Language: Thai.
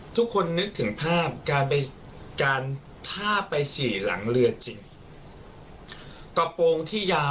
ทุกคนนึกถึงภาพการท่าไปฉี่หลังเรือจริง